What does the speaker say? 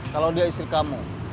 kalau dia istri kamu